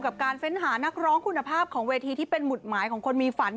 กับการเฟ้นหานักร้องคุณภาพของเวทีที่เป็นหุดหมายของคนมีฝัน